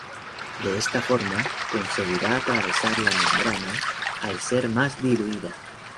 De esta forma, conseguirá atravesar la membrana al ser más diluida.